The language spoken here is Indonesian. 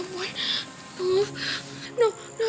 gak bisa gantah sama dia